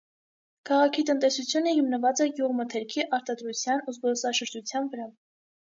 Քաղաքի տնտեսությունը հիմնված է գյուղմթերքի արտադրության ու զբոսաշրջության վրա։